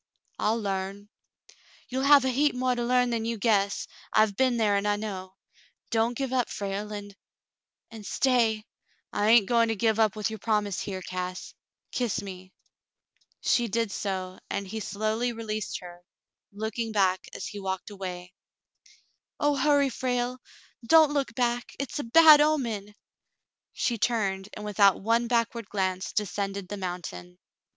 "I'll larn." "You'll have a heap more to learn than you guess. I've been there, and I know. Don't give up, Frale, and — and stay—" "I hain't going to give up with your promise here, Cass ; kiss me." She did so, and he slowly released her, looking back as he walked away. "Oh, hurry, Frale ! Don't look back. It's a bad omen." She turned, and without one backward glance descended the mountain.